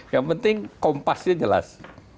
yang penting kompasnya jelas